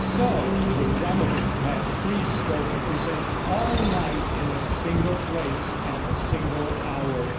So the dramatist had free scope to present all life in a single place and a single hour.